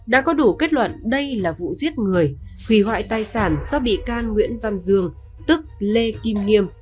đã có đủ kết luận đây là vụ giết người hủy hoại tài sản do bị can nguyễn văn dương tức lê kim nghiêm